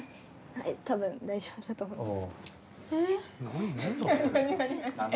はい多分大丈夫だと思います。